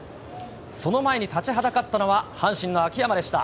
その前に立ちはだかったのは、阪神の秋山でした。